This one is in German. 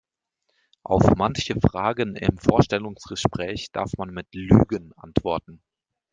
Auf manche Fragen im Vorstellungsgespräch darf man mit Lügen antworten.